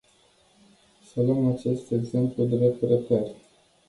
Să luăm acest exemplu drept reper.